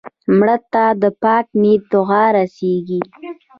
مړه ته د پاک نیت دعا رسېږي